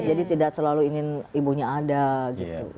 jadi tidak selalu ingin ibunya ada gitu